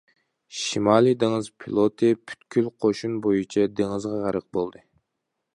شىمالىي دېڭىز فلوتى پۈتكۈل قوشۇن بويىچە دېڭىزغا غەرق بولدى.